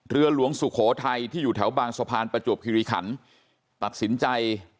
เรือหลวงสุโขทัยที่อยู่แถวบางสะพานประจวบคิริขันตัดสินใจ